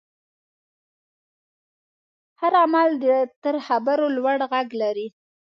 هر عمل تر خبرو لوړ غږ لري.